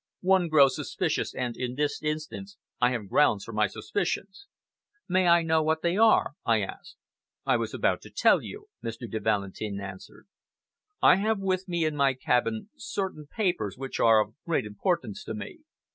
One grows suspicious, and, in this instance, I have grounds for my suspicions." "May I know what they are?" I asked. "I was about to tell you," Mr. de Valentin answered. "I have with me in my cabin certain papers, which are of great importance to me.